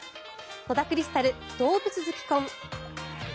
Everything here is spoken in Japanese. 野田クリスタル動物好き婚。